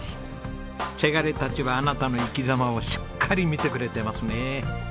せがれたちはあなたの生き様をしっかり見てくれていますね。